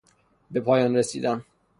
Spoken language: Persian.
بپایان رسیدن